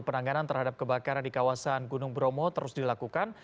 penanganan terhadap kebakaran di kawasan gunung bromo terus dilakukan